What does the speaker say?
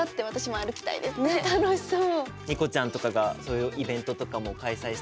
楽しそう。